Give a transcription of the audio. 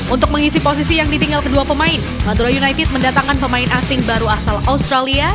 untuk mengisi posisi yang ditinggal kedua pemain madura united mendatangkan pemain asing baru asal australia